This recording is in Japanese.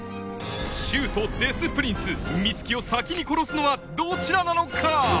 柊とデス・プリンス美月を先に殺すのはどちらなのか？